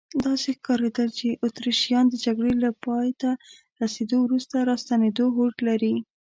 داسې ښکارېدل چې اتریشیان د جګړې له پایته رسیدو وروسته راستنېدو هوډ لري.